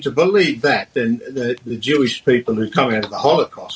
orang orang yahudi yang keluar dari holocaust